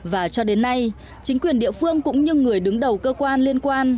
và cho đến nay chính quyền địa phương cũng như người đứng đầu cơ quan